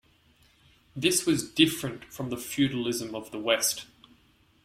This was different from the feudalism of the West.